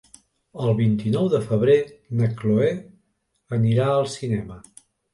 El vint-i-nou de febrer na Chloé anirà al cinema.